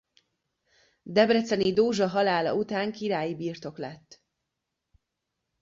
Debreceni Dózsa halála után királyi birtok lett.